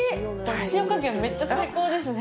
塩加減、めっちゃ最高ですね。